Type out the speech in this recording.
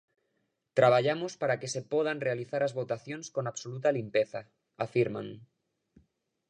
Traballamos para que se podan realizar as votacións con absoluta limpeza, afirman.